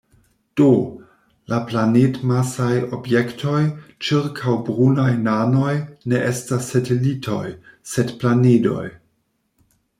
Do, la planed-masaj objektoj ĉirkaŭ brunaj nanoj ne estas satelitoj, sed planedoj.